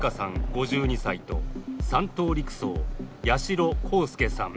５２歳と３等陸曹・八代航佑さん